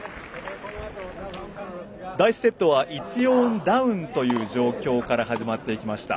第１セットは１−４ダウンという状況から始まっていきました。